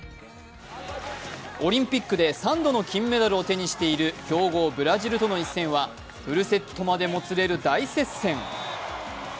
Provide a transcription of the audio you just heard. オリンピックで３度の金メダルを手にしている強豪ブラジルとの一戦はフルセットまでもつれる大接戦。